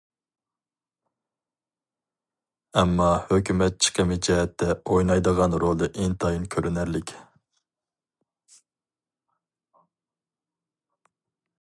ئەمما ھۆكۈمەت چىقىمى جەھەتتە ئوينايدىغان رولى ئىنتايىن كۆرۈنەرلىك.